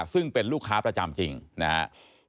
ซึ่งเป็นลูกค้าประจำจริงนะครับ